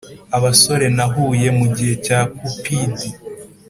abasore nahuye mugihe cya cupid